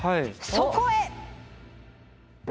そこへ！